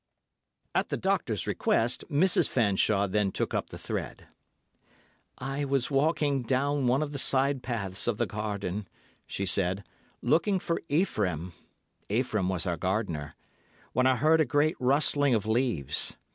'" At the doctor's request, Mrs. Fanshawe then took up the thread. "I was walking down one of the side paths of the garden," she said, "looking for Ephraim (Ephraim was our gardener), when I heard a great rustling of leaves.